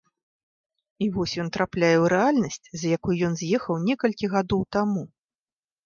І вось ён трапляе ў рэальнасць, з якой ён з'ехаў некалькі гадоў таму.